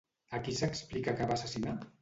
A qui s'explica que va assassinar?